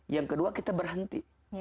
yang kedua kita berhenti